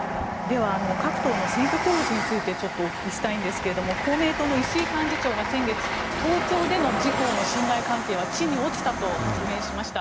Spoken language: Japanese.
各党の選挙協力についてちょっとお聞きしたいんですが公明党の石井幹事長が先月東京での自公の信頼関係は地に落ちたと発言しました。